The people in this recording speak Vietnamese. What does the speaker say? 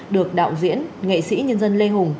được đạo diễn nghệ sĩ nhân dân lê hùng